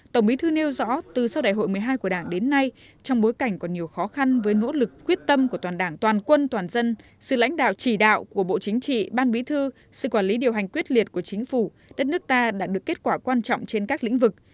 tổng bí thư nêu rõ từ sau đại hội một mươi hai của đảng đến nay trong bối cảnh còn nhiều khó khăn với nỗ lực quyết tâm của toàn đảng toàn quân toàn dân sự lãnh đạo chỉ đạo của bộ chính trị ban bí thư sự quản lý điều hành quyết liệt của chính phủ đất nước ta đạt được kết quả quan trọng trên các lĩnh vực